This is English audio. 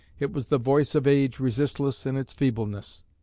It was "the voice of age resistless in its feebleness."